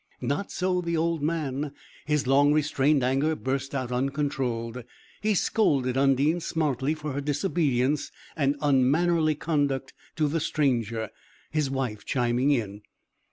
Not so the old man; his long restrained anger burst out uncontrolled. He scolded Undine smartly for her disobedience, and unmannerly conduct to the stranger, his wife chiming in.